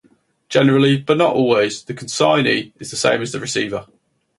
Generally, but not always, the consignee is the same as the receiver.